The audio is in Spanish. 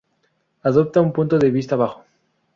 Adopta un punto de vista bajo.